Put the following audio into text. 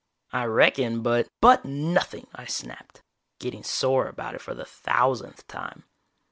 "I reckon. But " "But nothing," I snapped, getting sore about it for the thousandth time.